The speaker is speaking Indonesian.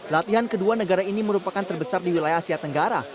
latihan kedua negara ini merupakan terbesar di wilayah asia tenggara